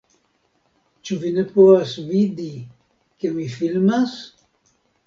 Ĉu vi ne povas vidi, ke mi filmas?